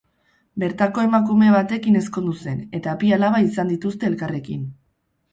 Bertako emakume batekin ezkondu zen, eta bi alaba izan dituzte elkarrekin.